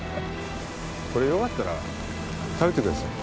これよかったら食べてください。